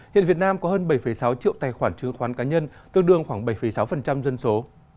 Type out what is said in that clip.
hiện việt nam có hơn bảy sáu triệu tài khoản chứng khoán cá nhân tương đương khoảng bảy sáu dân số